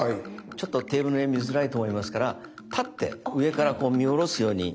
ちょっとテーブルの上見づらいと思いますから立って上からこう見下ろすように。